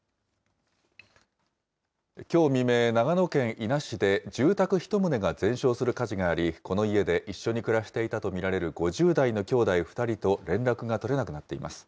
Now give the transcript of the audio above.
きょう未明、長野県伊那市で住宅１棟が全焼する火事があり、この家で一緒に暮らしていたと見られる５０代の兄弟２人と連絡が取れなくなっています。